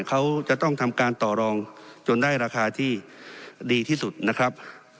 เขาจะต้องทำการต่อรองจนได้ราคาที่ดีที่สุดนะครับ